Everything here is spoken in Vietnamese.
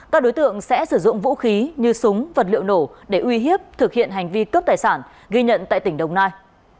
các đối tượng sẽ sử dụng vũ khí như súng vật liệu nổ để uy hiếp thực hiện hành vi cướp tài sản ghi nhận tại tỉnh đồng nai